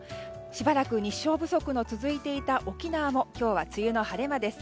しばらく日照不足の続いていた沖縄も今日は梅雨の晴れ間です。